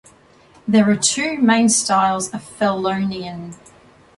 There are two main styles of phelonion.